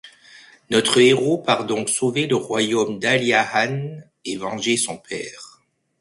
Notre héros part donc sauver le royaume d'Aliahan et venger son père.